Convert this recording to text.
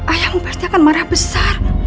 ayahmu pasti akan marah besar